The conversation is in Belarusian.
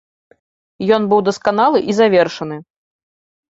Ён быў дасканалы і завершаны.